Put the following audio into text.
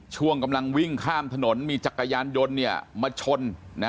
ช่วงกำลังวิ่งข้ามถนนมีจักรยานยนต์มาชน